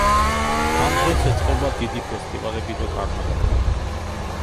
ამ დღეს ეწყობა დიდი ფესტივალები და კარნავალები.